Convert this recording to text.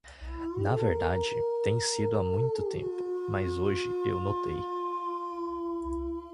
Na verdade, tem sido há muito tempo, mas hoje eu notei.